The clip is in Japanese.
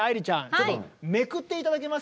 ちょっとめくって頂けますか。